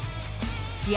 試合